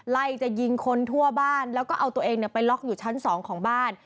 ไล่จะยิงคนทั่วบ้านแล้วก็เอาตัวเองไปล็อกอยู่ชั้นสองของบ้าน